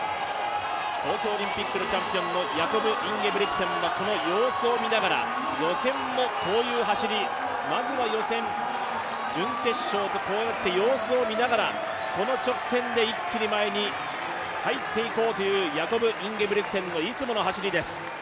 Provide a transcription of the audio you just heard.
東京オリンピックのチャンピオンのヤコブ・インゲブリクセンは、この様子を見ながら、予選もこういう走りまずは予選、準決勝と様子を見ながらこの直線で一気に前に入っていこうというヤコブ・インゲブリクセンのいつもの走りです。